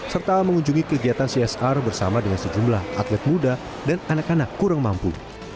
serta mengunjungi kegiatan csr bersama dengan sejumlah atlet muda dan anak anak kurang mampu